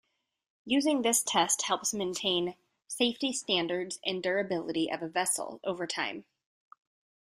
Using this test helps maintain safety standards and durability of a vessel over time.